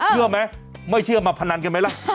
เชื่อไหมไม่เชื่อมาพนันกันไหมล่ะ